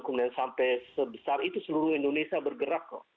kemudian sampai sebesar itu seluruh indonesia bergerak kok